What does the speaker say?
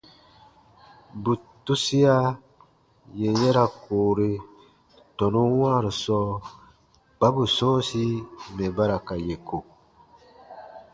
Bù tusia yè ya ra koore tɔnun wãaru sɔɔ kpa bù sɔ̃ɔsi mɛ̀ ba ra ka yè ko.